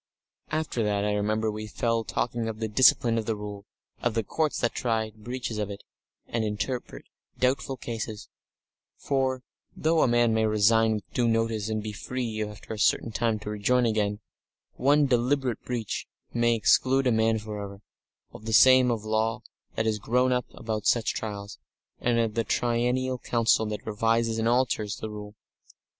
Section 8 After that I remember we fell talking of the discipline of the Rule, of the Courts that try breaches of it, and interpret doubtful cases for, though a man may resign with due notice and be free after a certain time to rejoin again, one deliberate breach may exclude a man for ever of the system of law that has grown up about such trials, and of the triennial council that revises and alters the Rule.